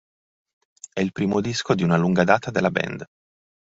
È il primo disco di lunga data della band.